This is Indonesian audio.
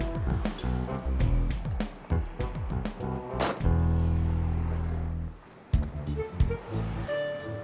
ya udah semau kedua